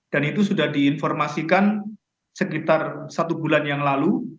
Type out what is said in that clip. dan itu sudah diinformasikan sekitar satu bulan yang lalu